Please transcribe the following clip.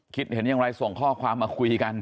คิดเห็นอย่างไรส่งข้อความมาคุยกัน